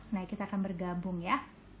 nah kita akan bergabung ya